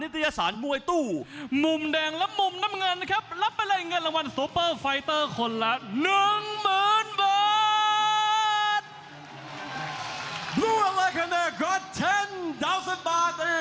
เดือกพัยยะค่ะ